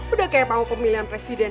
udah kayak panggung pemilihan presiden aja